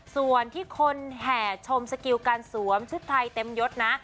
ส่วนที่คนแห่ชมสกิลการสวมชุดไทยเต็มยดนะ